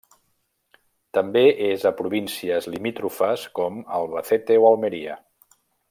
També és a províncies limítrofes com Albacete o Almeria.